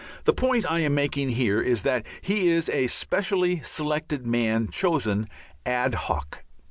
The point I am making here is that he is a specially selected man chosen ad hoc.)